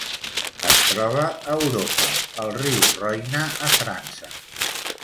Es troba a Europa: el riu Roine a França.